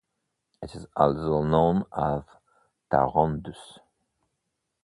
It is also known as Tarandus.